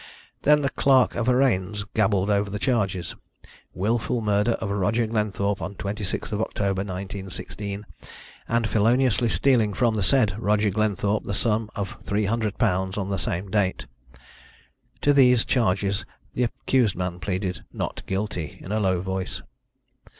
Then the Clerk of Arraigns gabbled over the charges: wilful murder of Roger Glenthorpe on 26th October, 1916, and feloniously stealing from the said Roger Glenthorpe the sum of £300 on the same date. To these charges the accused man pleaded "Not guilty" in a low voice.